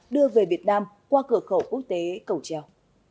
đưa về việt nam qua cửa khẩu quốc tế cẩu trèo